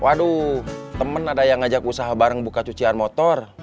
waduh temen ada yang ngajak usaha bareng buka cucian motor